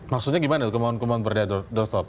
maksudnya gimana itu kemauan kemauan bergaya doorstop